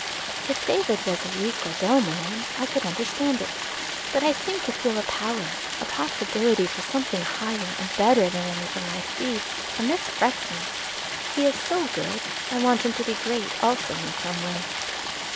If David was a weak or dull man I could understand it; but I seem to feel a power, a possibility for something higher and better than any thing I see, and this frets me. He is so good, I want him to be great also in some way."